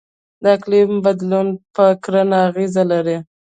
د اقلیم بدلون په کرنه اغیز لري.